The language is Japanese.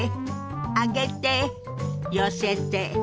上げて寄せて。